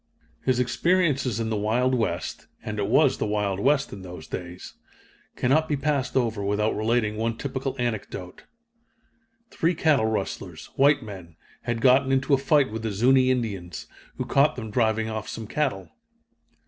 His experiences in the Wild West (and it was the Wild West in those days) cannot be passed over without relating one typical anecdote. Three cattle rustlers, white men, had gotten into a fight with the Zuni Indians, who caught them driving off some cattle.